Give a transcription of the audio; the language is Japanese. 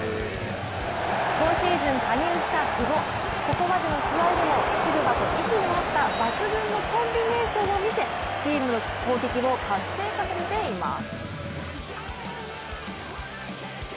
今シーズン加入した久保、ここまでの試合でもシルバと息の合った抜群のコンビネーションを見せチームの攻撃を活性化させています。